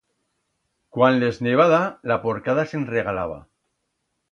Cuan les ne va dar, la porcada se'n regalaba.